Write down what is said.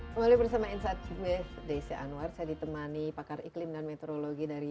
kembali bersama insight with desi anwar saya ditemani pakar iklim dan meteorologi dari